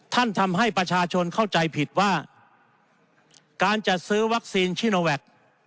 ทำให้ประชาชนเข้าใจผิดว่าการจัดซื้อวัคซีนชิโนแวค